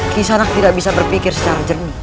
kisaranak tidak bisa berpikir secara jernih